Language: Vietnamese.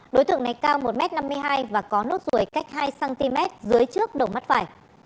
đối tượng này cao một m năm mươi hai và có nốt ruồi cách hai cm dưới trước đầu mắt phải